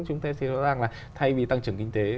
chúng ta thấy rằng là thay vì tăng trưởng kinh tế